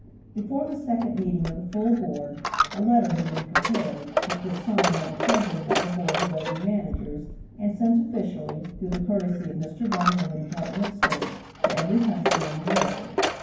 Before the second meeting of the full Board, a letter had been prepared, which was signed by the President of the Board of Lady Managers, and sent officially, through the courtesy of Mr. Blaine and the Department of State, to every country in the world.